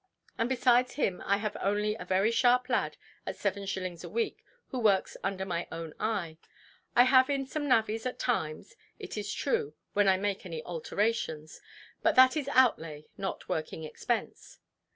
And besides him I have only a very sharp lad, at seven shillings a week, who works under my own eye. I have in some navvies, at times, it is true, when I make any alterations. But that is outlay, not working expense.